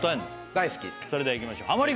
大好きそれではいきましょうハモリ